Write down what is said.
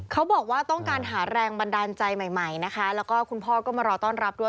เขาบอกว่าต้องการหาแรงบันดาลใจใหม่ใหม่นะคะแล้วก็คุณพ่อก็มารอต้อนรับด้วย